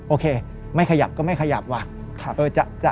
โอเคไม่ขยับก็ไม่ขยับว่ะ